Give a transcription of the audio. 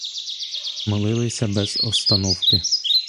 Молилися без остановки